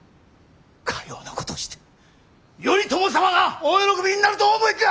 かようなことをして頼朝様がお喜びになるとお思いか！